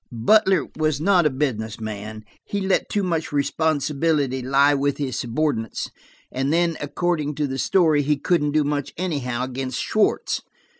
"Butler was not a business man. He let too much responsibility lie with his subordinates–and then, according to the story, he couldn't do much anyhow, against Schwartz.